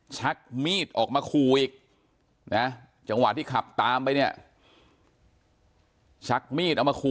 ชักมีดออกมาคู่อีกนะจังหวะที่ขับตามไป